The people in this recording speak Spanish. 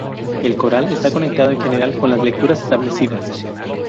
El coral está conectado en general con las lecturas establecidas.